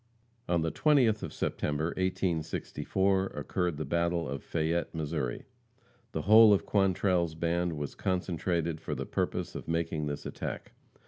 On the 20th of September, 1864, occurred the battle of Fayette, Missouri. The whole of Quantrell's band was concentrated for the purpose of making this attack.